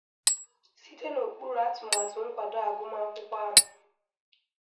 Site n'okpuru atụmatụ nkwàdo agụmakwụkwọ ahụ